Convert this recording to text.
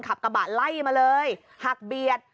ขับกระบะไล่มาเลยหักเบียด